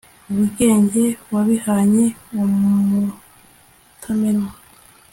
ubwe wabihanze umutamenwa